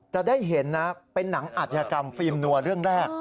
จะได้เห็นนะเป็นหนังอาชญากรรมฟิล์มนัวเรื่องแรก